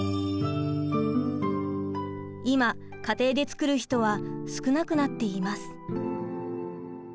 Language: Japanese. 今家庭で作る人は少なくなっています。